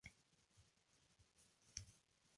Con tres podios finalizó sexto en la tabla general.